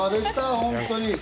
本当に。